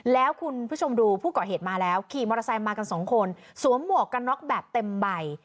แล้วคุณผู้ชมดูผู้ก่อเหตุมาแล้วขี่มอเตอร์ไซค์มากันสองคนสวมหมวกกันน็อกแบบเต็มใบ